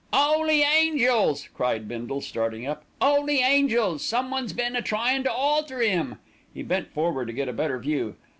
"'Oly angels!" cried Bindle, starting up. "'Oly angels! someone's been a tryin' to alter 'im." He bent forward to get a better view.